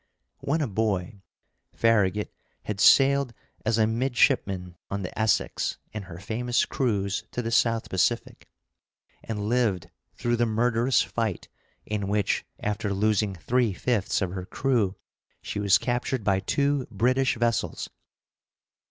When a boy, Farragut had sailed as a midshipman on the Essex in her famous cruise to the South Pacific, and lived through the murderous fight in which, after losing three fifths of her crew, she was captured by two British vessels.